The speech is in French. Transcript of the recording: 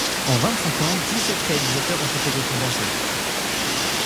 En vingt-cinq ans, dix-sept réalisateurs ont été récompensés.